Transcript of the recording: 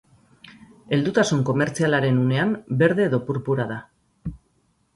Heldutasun komertzialaren unean berde edo purpura da.